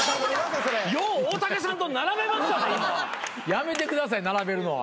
やめてください並べるのは。